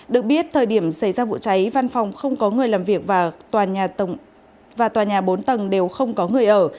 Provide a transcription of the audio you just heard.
được biết thời điểm xảy ra vụ cháy văn phòng không có người làm việc và tòa nhà bốn tầng đều không có người ở